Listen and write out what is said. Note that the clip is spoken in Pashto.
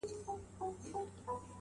رامعلوم دي د ځنګله واړه کارونه.!